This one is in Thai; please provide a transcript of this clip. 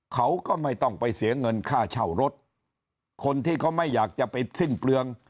เขาก็ไม่ต้องไปเสียเงินค่าเช่ารถคนที่เขาไม่อยากจะไปสิ้นเปลือง